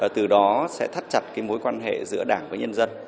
từ đó sẽ thắt chặt mối quan hệ giữa đảng với nhân dân